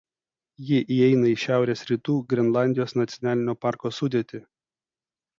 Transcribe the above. Ji įeina į Šiaurės Rytų Grenlandijos nacionalinio parko sudėtį.